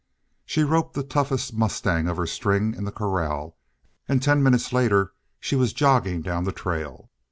She roped the toughest mustang of her "string" in the corral, and ten minutes later she was jogging down the trail.